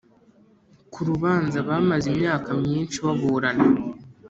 ku rubanza bamaze imyaka myinshi baburana.